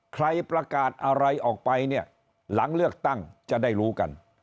ใครประกาศอะไรออกไปเนี่ยหลังเลือกตั้งจะได้รู้กัน